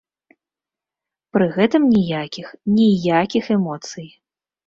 Пры гэтым ніякіх, ніякіх эмоцый!